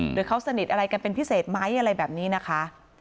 หรือเขาสนิทอะไรกันเป็นพิเศษไหมอะไรแบบนี้นะคะ